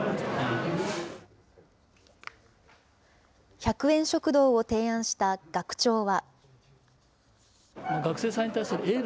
１００円食堂を提案した学長は。